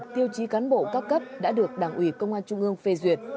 tiêu chí cán bộ các cấp đã được đảng ủy công an trung ương phê duyệt